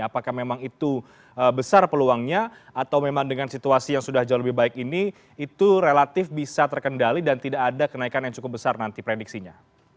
apakah memang itu besar peluangnya atau memang dengan situasi yang sudah jauh lebih baik ini itu relatif bisa terkendali dan tidak ada kenaikan yang cukup besar nanti prediksinya